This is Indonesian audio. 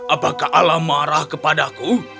apakah allah marah kepadaku